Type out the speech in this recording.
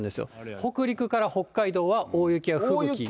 北陸から北海道は大雪や吹雪。